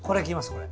これ。